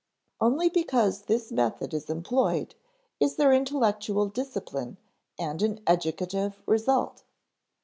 Only because this method is employed is there intellectual discipline and an educative result.